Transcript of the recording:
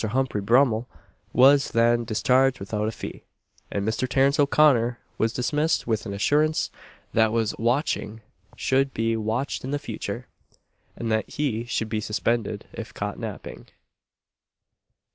Humphrey Brummel was then discharged without a fee; and Mr. Terence O'Connor was dismissed with an assurance that his watching should be watched in future, and that he should be suspended if caught napping.